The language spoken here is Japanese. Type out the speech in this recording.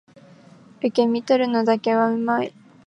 受け身取るのだけは上手い